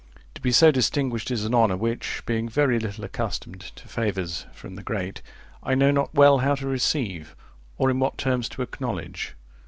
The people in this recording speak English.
To be so distinguished is an honour which, being very little accustomed to favours from the great, I know not well how to receive, or in what terms to acknowledge.